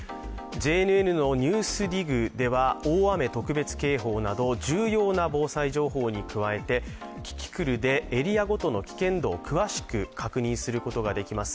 ＪＮＮのＮＥＷＳＤＩＧでは大雨特別警報など重要な防災情報に加えて、キキクルでエリアごとの危険度を詳しく確認することができます。